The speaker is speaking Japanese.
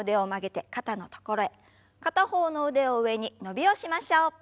片方の腕を上に伸びをしましょう。